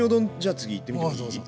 次いってみてもいい？